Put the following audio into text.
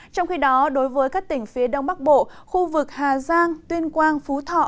trong khi đó đối với các tỉnh phía đông bắc bộ khu vực hà giang tuyên quang phú thọ